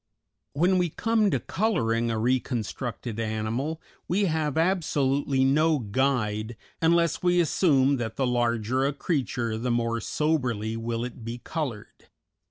When we come to coloring a reconstructed animal we have absolutely no guide, unless we assume that the larger a creature the more soberly will it be colored.